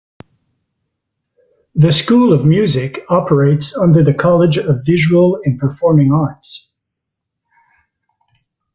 The School of Music operates under the College of Visual and Performing Arts.